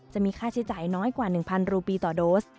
จะมีค่าใช้จ่ายน้อยกว่า๑๐๐รูปีต่อโดส